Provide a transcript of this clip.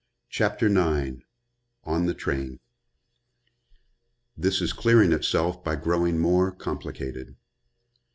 CHAPTER IX ON THE TRAIN "This is clearing itself by growing more complicated."